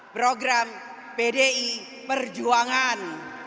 program pdi perjuangan